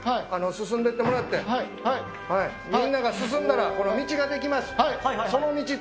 進んでってもらってみんなが進んだらこの道ができます。